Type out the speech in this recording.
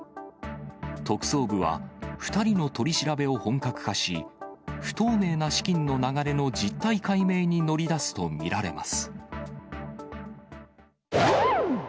特捜部は２人の取り調べを本格化し、不透明な資金の流れの実態解明に乗り出すと見られます。